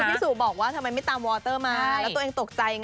พี่สูงบอกว่าทำไมไม่ตามตุ๊กใจอย่างไร